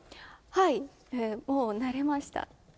はい、もう慣れました。